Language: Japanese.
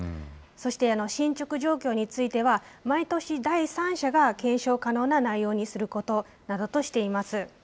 そして進捗状況については、毎年、第三者が検証可能な内容にすることなどとしています。